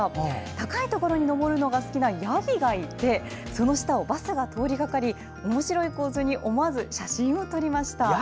高いところに上るのが好きなヤギがいてその下をバスが通りかかりおもしろい構図に思わず写真を撮りました。